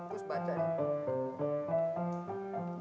terus baca ya